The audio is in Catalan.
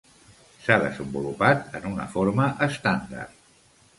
S'ha desenvolupat en una forma estàndard.